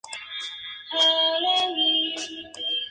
Trabajó en una telenovela venezolana titulada "María María".